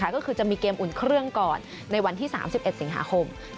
ก็คือจะมีเกมอุ่นเครื่องก่อนในวันที่๓๑สิงหาคม